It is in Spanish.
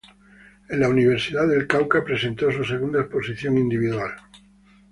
En la Universidad del Cauca presenta su segunda exposición individual.